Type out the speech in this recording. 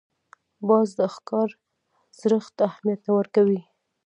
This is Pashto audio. باز د ښکار زړښت ته اهمیت نه ورکوي